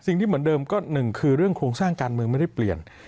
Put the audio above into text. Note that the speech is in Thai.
สิ่งที่เหมือนเดิมก็หนึ่งคือเรื่องโครงสร้างการเมืองไม่ได้เปลี่ยน